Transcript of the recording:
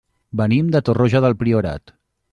Venim de Torroja del Priorat.